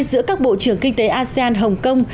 giữa các bộ trưởng kinh tế asean hcm